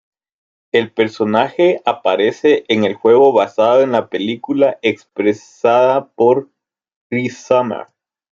El personaje aparece en el juego basado en la película, expresada por Cree Summer.